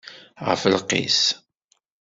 Ɣef lqis!